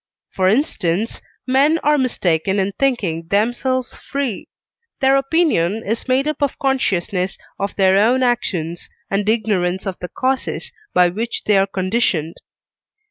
For instance, men are mistaken in thinking themselves free; their opinion is made up of consciousness of their own actions, and ignorance of the causes by which they are conditioned.